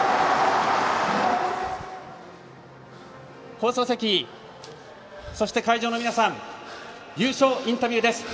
放送席、そして会場の皆さん優勝インタビューです。